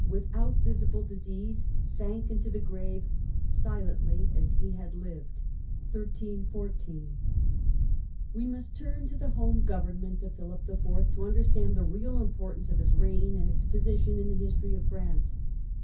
1313, out visible disease, sank into the grave, silently as he pj^ji?, jy. had hved. ^^^^ We must turn to the home government of Philip IV. Home to understand the real importance of his reign, and itSn^eut position in the history of France.